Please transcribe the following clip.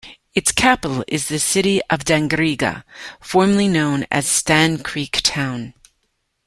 Its capital is the city of Dangriga, formerly known as "Stann Creek Town.